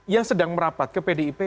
yang sedang merapat ke pdip